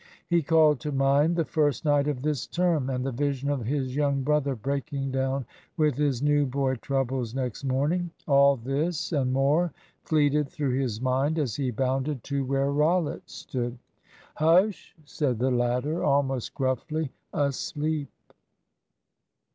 He called to mind the first night of this term, and the vision of his young brother breaking down with his new boy troubles next morning. All this and more fleeted through his mind as he bounded to where Rollitt stood. "Hush!" said the latter, almost gruffly. "Asleep."